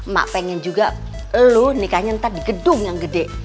mak pengen juga lu nikahnya ntar di gedung yang gede